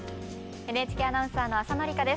ＮＨＫアナウンサーの浅野里香です。